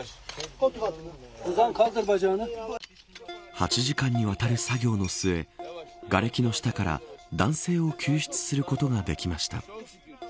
８時間にわたる作業の末がれきの下から男性を救出することができました。